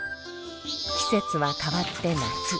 季節は変わって夏。